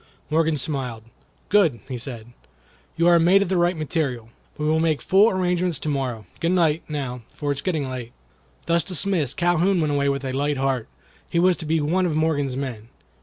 Morgan smiled. "Good!" he said. "You are made of the right material. We will make full arrangements to morrow. Good night, now, for it is getting late." Thus dismissed Calhoun went away with a light heart. He was to be one of Morgan's men.